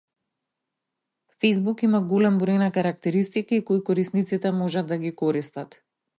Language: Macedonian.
Фејсбук има голем број на карактеристики кои корисниците можат да ги користат.